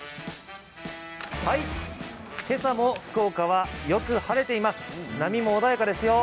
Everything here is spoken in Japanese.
けさも福岡はよく晴れています。